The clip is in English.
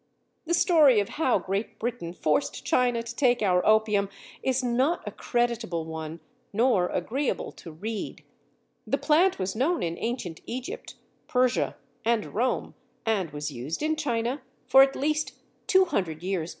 The story of how Great Britain forced China to take our opium is not a creditable one nor agreeable to read. The plant was known in ancient Egypt, Persia, and Rome, and was used in China for at least two hundred years before our times.